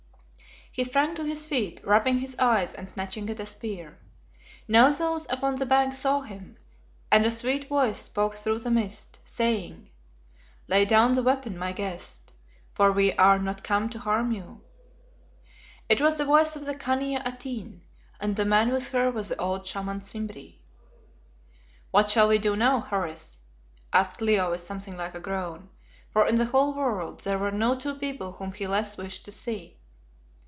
He sprang to his feet, rubbing his eyes and snatching at a spear. Now those upon the bank saw him, and a sweet voice spoke through the mist, saying "Lay down that weapon, my guest, for we are not come to harm you." It was the voice of the Khania Atene, and the man with her was the old Shaman Simbri. "What shall we do now, Horace?" asked Leo with something like a groan, for in the whole world there were no two people whom he less wished to see.